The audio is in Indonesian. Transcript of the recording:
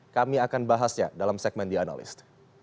kami akan bahasnya dalam segmen the analyst